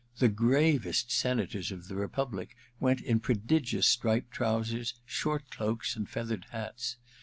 The gravest Senators of the Republic went in prodigious striped trousers, short cloaks and feathered hats.